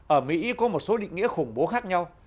ở mỹ có một số định nghĩa khủng bố khác nhau